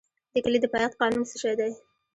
د کتلې د پایښت قانون څه شی دی؟